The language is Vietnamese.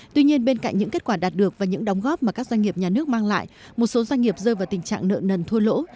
tuy nhiên bên cạnh những kết quả đạt được và những đóng góp mà các doanh nghiệp nhà nước mang lại một số doanh nghiệp rơi vào tình trạng nợ nần thua lỗ